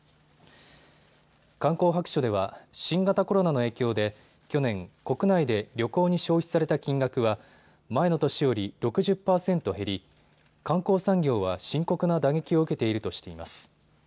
観光白書では新型コロナの影響で去年、国内で旅行に消費された金額は前の年より６０％減り、観光産業は深刻な打撃を受けているとしています。